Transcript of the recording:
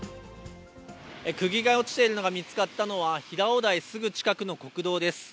くぎが落ちているのが見つかったのは、平尾台すぐ近くの国道です。